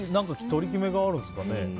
取り決めがあるんですかね。